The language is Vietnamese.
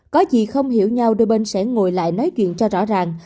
có gì không hiểu nhau đôi bên sẽ ngồi lại nói chuyện cho rõ ràng